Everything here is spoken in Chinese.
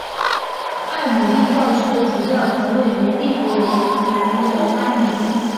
埃姆利教区的主教堂位于蒂珀雷里郡的埃姆利。